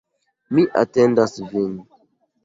Mi atendas vin.